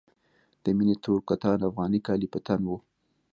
د مينې تور کتان افغاني کالي په تن وو.